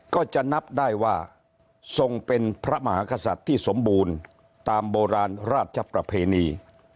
ก็จะนับได้ว่าทรงเป็นพระมหากษัตริย์ที่สมบูรณ์ตามโบราณราชประเพณี